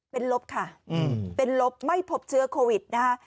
เป็นลบค่ะเป็นลบไม่พบเชื้อโควิดนะคะ